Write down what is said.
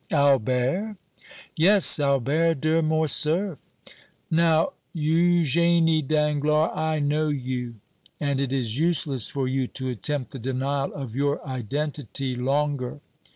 "Albert?" "Yes; Albert de Morcerf." "Now, Eugénie Danglars, I know you and it is useless for you to attempt the denial of your identity longer!"